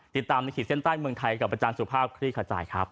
ติดตามในขีดเซ็นต์ใต้เมืองไทยกับประจานสุภาพขฤษฐาครับ